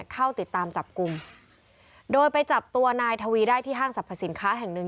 เข้าติดตามจับกลุ่มโดยไปจับตัวนายทวีได้ที่ห้างสรรพสินค้าแห่งหนึ่ง